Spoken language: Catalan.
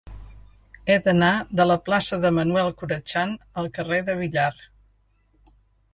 He d'anar de la plaça de Manuel Corachan al carrer de Villar.